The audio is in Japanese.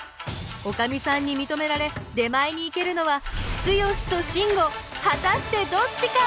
おかみさんにみとめられ出前に行けるのはツヨシとシンゴ果たしてどっちか！？